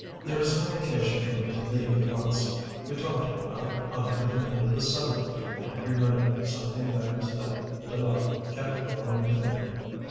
There was no occasion for me to leave at once. We talked a while, on everything under the sun, and every minute something that was like delight kept growing within me.